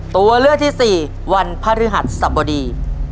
ตัวเลือกที่สี่วันพฤหัสสบดี